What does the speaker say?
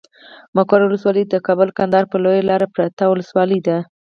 مقر ولسوالي د کابل کندهار پر لويه لاره پرته ولسوالي ده.